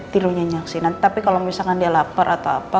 tidurnya nyaksinan tapi kalau misalkan dia lapar atau apa